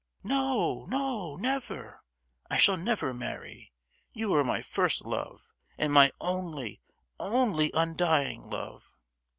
"No, no, never! I shall never marry. You are my first love, and my only—only—undying love!"